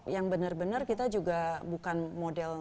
yang bener bener kita juga bukan model